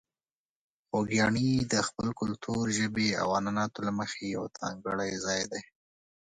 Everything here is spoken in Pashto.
خوږیاڼي د خپل کلتور، ژبې او عنعناتو له مخې یو ځانګړی ځای دی.